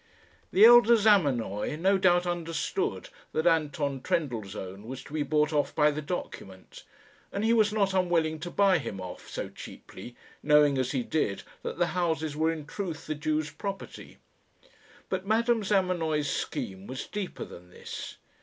The elder Zamenoy no doubt understood that Anton Trendellsohn was to be bought off by the document; and he was not unwilling to buy him off so cheaply, knowing as he did that the houses were in truth the Jew's property; but Madame Zamenoy's scheme was deeper than this.